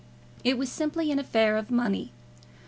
It was simply an affair of money.